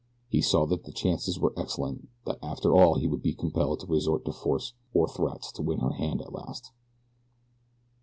He saw that the chances were excellent that after all he would be compelled to resort to force or threats to win her hand at the last.